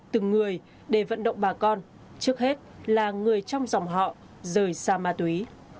từng người để vận động bà con trước hết là người trong dòng họ rời xa ma túy